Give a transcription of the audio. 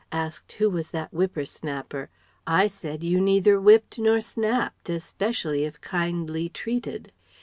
Asked who was that whipper snapper I said you neither whipped nor snapped, especially if kindly treated.